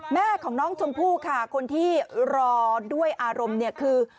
แม่ของน้องชมพู่ค่ะคนที่รอด้วยอารมณ์เนี่ยคือ